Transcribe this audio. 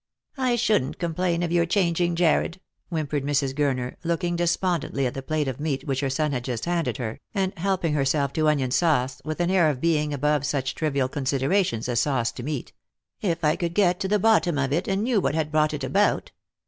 " I shouldn't complain of your changing, Jarred," whimpered Mrs. Gurner, looking despondently at the plate of meat which her son had just handed her, and helping herself to onion sauce with an air of beiDg above such trivial considerations as sance to meat, " if I could get to the bottom of it, ana knew wha\ nai brought it about.